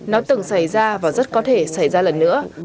nó từng xảy ra và rất có thể xảy ra lần nữa